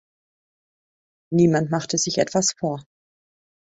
Niemand macht sich etwas vor.